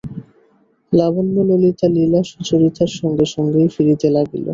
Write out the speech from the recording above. লাবণ্য ললিতা লীলা সুচরিতার সঙ্গে সঙ্গেই ফিরিতে লাগিল।